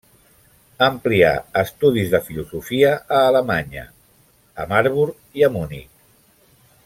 Amplià estudis de filosofia a Alemanya, a Marburg i a Munic.